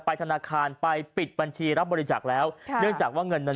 ธนาคารไปปิดบัญชีรับบริจาคแล้วค่ะเนื่องจากว่าเงินนั้น